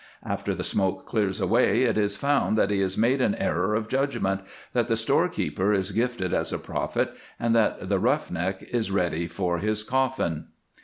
After the smoke clears away it is found that he has made an error of judgment, that the storekeeper is gifted as a prophet, and that the 'roughneck' is ready for his coffin.